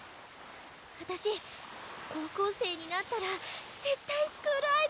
私高校生になったら絶対スクールアイドル部に入るんだ！